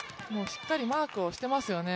しっかりマークしていますよね。